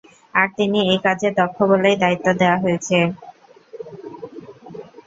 আর তিনি এই কাজে দক্ষ বলেই দায়িত্ব দেয়া হয়েছে।